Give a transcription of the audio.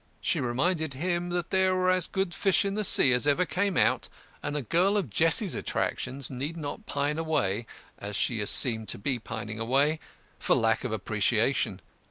She reminded him that there were as good fish in the sea as ever came out, and a girl of Jessie's attractions need not pine away (as she had seemed to be pining away) for lack of appreciation.